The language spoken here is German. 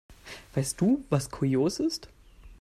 Weißt du, was kurios ist?